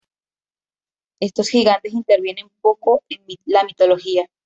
Estos Gigantes intervienen poco en la mitología.